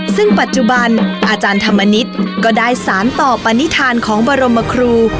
ซึ่งปัจจุบันอาจารย์ธรรมนิษฐ์ก็ได้สารต่อปณิธานของบรมครู